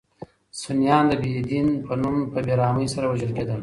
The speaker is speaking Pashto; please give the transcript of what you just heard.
سنیان د بې دین په نوم په بې رحمۍ سره وژل کېدل.